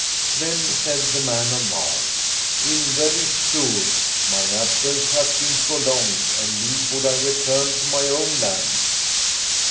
Then said the man of Marw, " In very sooth, mine absence hath been prolonged and lief would I return to my own land."